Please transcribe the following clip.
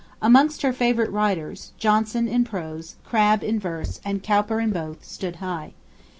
Amongst her favourite writers, Johnson in prose, Crabbe in verse, and Cowper in both, stood high.